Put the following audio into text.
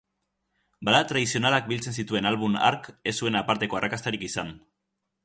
Balada tradizionalak biltzen zituen album hark ez zuen aparteko arrakastarik izan.